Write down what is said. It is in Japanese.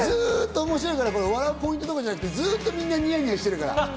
笑うポイントとかじゃなくて、みんなニヤニヤしてるから。